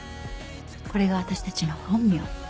これが私たちの本名。